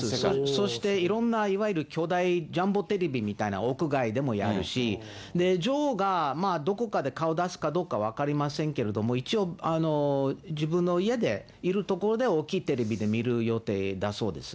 そしていろんないわゆる巨大ジャンボテレビみたいな屋外でもやるし、女王がどこかで顔出すかどうか分かりませんけれども、一応自分の家で、いる所で大きいテレビで見る予定だそうです。